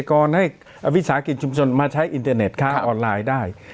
ก่อนให้วิสาหกิจชุมชนมาใช้อินเทอร์เน็ตค้าออนไลน์ได้